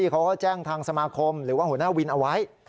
เขาก็แจ้งทางสมาคมหรือว่าหัวหน้าวินเอาไว้